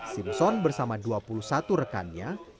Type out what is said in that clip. simpson bersama dua puluh satu rekannya